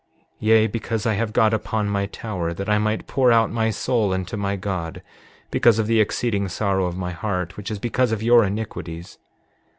7:14 Yea, because I have got upon my tower that I might pour out my soul unto my God, because of the exceeding sorrow of my heart, which is because of your iniquities!